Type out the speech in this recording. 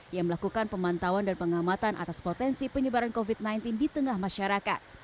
yang melakukan pemantauan dan pengamatan atas potensi penyebaran covid sembilan belas di tengah masyarakat